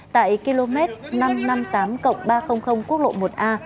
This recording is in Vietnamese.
tại km năm trăm năm mươi tám ba trăm linh quốc lộ một a